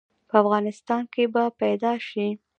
په افغانستان کې به پيدا ش؟